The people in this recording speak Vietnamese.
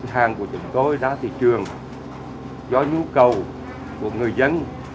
hàng của chúng tôi ra thị trường do nhu cầu của người dân